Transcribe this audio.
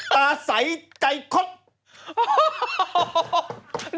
ตาใสในใกล้เคาะ